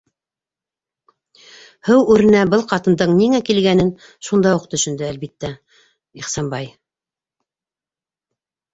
Һыу үренә был ҡатындың ниңә килгәнен шунда уҡ төшөндө, әлбиттә, Ихсанбай.